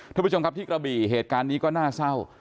ทุกผู้ชมครับที่กระบี่เหตุการณ์นี้ก็น่าเศร้า